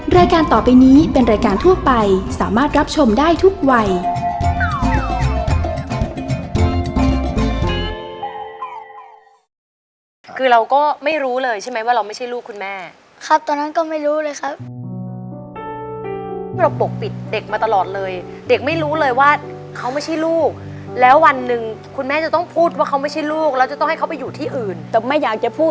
รายการต่อไปนี้เป็นรายการทั่วไปสามารถรับชมได้ทุกวัย